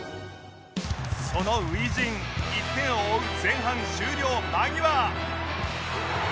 その初陣１点を追う前半終了間際